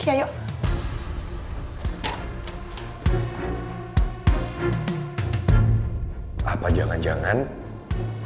apa gak ada peninggiinan yaa ngerti